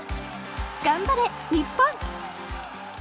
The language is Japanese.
頑張れ、日本！